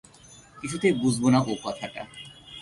কিছুতেই বুঝব না ও-কথাটা।